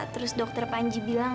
terus dokter panji bilang